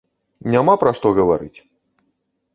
Няма пра што гаварыць.